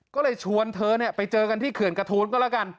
ก็เลยชวนเธอไปเจอกันที่เขื่อนกระทูลก็แล้วกัน